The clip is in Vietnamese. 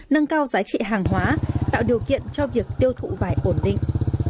nâng cao giá trị hàng hóa tạo điều kiện cho việc tiêu thụ vải ổn định